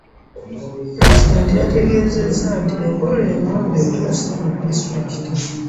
Pulezidenti yategeezezza nti enkola eno etuuse mu disitulikiti